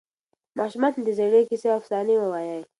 ماشومانو ته د زړې کیسې او افسانې ووایئ.